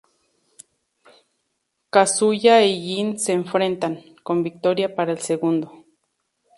Kazuya y Jin se enfrentan, con victoria para el segundo.